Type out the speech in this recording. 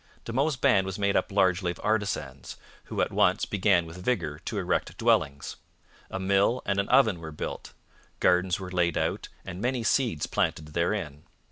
De Monts' band was made up largely of artisans, who at once began with vigour to erect dwellings. A mill and an oven were built; gardens were laid out and many seeds planted therein.